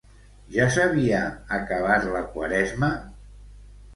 Ja s'havia acabat la Quaresma?